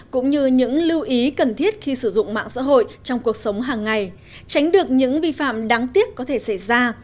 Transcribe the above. cũng như những lưu ý cần thiết khi sử dụng mạng xã hội trong cuộc sống hàng ngày tránh được những vi phạm đáng tiếc có thể xảy ra